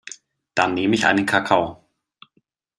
Dann nehm ich einen Kakao.